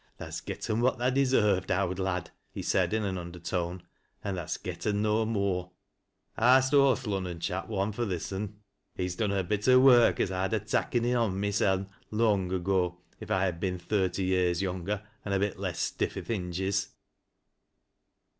"Tlia's getten what tha deserved, owd lad," he said in an undertone. "An' tha'st getten no more. I'sl owe th' Lunnon chap one fro' this on. He's done a bit o' work as I'd ha' takken i' bond mysen long ago, if I'd ha' been thirty years younger, an' a bit less stiff i' th' hinges."